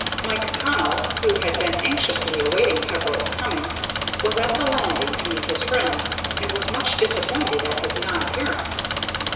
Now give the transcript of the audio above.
Mike Connell, who had been anxiously awaiting Peveril's coming, was at the landing to meet his friend, and was much disappointed at his non appearance.